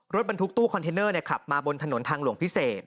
รถบรรทุกตู้คอนเทนเนอร์ขับมาบนถนนทางหลวงพิเศษ